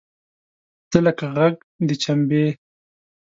تۀ لکه غږ د چمبې !